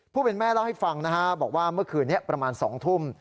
ผู้เป็นแม่เล่าให้ฟังนะฮะบอกว่าเมื่อคืนนี้ประมาณ๒ทุ่ม